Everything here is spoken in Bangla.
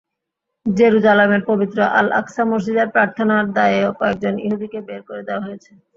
জেরুজালেমের পবিত্র আল-আকসা মসজিদে প্রার্থনার দায়ে কয়েকজন ইহুদিকে বের করে দেওয়া হয়েছে।